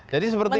jadi seperti itu